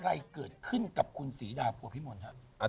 อะไรเกิดขึ้นกับคุณศรีดาพัวพิมลครับ